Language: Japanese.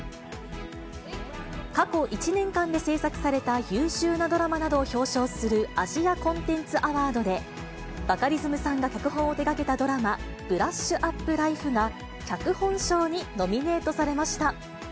過去１年間で制作された優秀なドラマなどを表彰するアジアコンテンツアワードで、バカリズムさんが脚本を手がけたドラマ、ブラッシュアップライフが、脚本賞にノミネートされました。